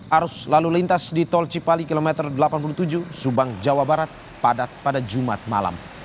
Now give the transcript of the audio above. arus lalu lintas di tol cipali kilometer delapan puluh tujuh subang jawa barat padat pada jumat malam